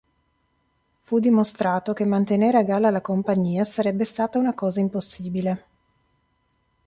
Fu dimostrato che mantenere a galla la compagnia sarebbe stata una cosa impossibile.